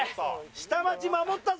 下町守ったぞ！